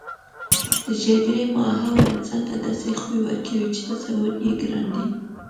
د جګړې ماحول انسان ته داسې خوی ورکوي چې تصور یې ګران دی